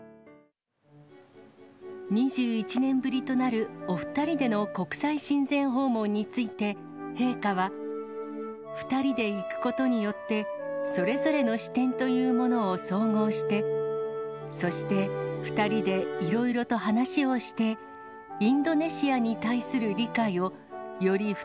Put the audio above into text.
２１年ぶりとなるお２人での国際親善訪問について、陛下は、２人で行くことによって、それぞれの視点というものを総合して、そして２人でいろいろと話をして、全国の皆さんこんばんは。